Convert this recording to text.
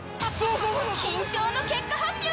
緊張の結果発表！